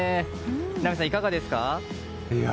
榎並さん、いかがですか？